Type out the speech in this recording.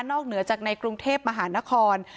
เหนือจากในกรุงเทพมหานคร